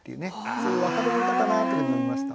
そういう別れの歌かなというふうに思いました。